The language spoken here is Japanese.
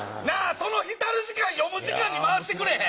その浸る時間読む時間に回してくれへん？